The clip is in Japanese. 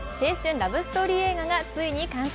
ラブストーリー映画がついに完成。